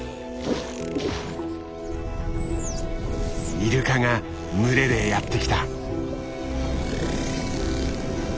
イルカが群れでやって来た。